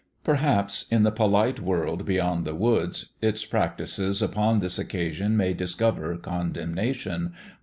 Perhaps, in the polite world beyond the woods, its practices upon this occasion may discover condemnation.